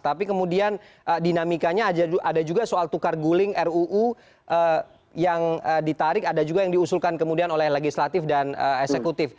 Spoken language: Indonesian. tapi kemudian dinamikanya ada juga soal tukar guling ruu yang ditarik ada juga yang diusulkan kemudian oleh legislatif dan eksekutif